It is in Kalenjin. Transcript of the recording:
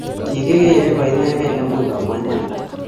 kikikeree koinekee nemuch komwaa imanda